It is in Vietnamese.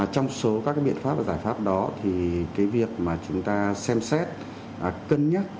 trong số các cái biện pháp và giải pháp đó thì cái việc mà chúng ta xem xét cân nhắc